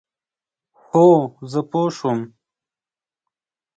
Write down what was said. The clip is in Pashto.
هو، زه پوه شوم،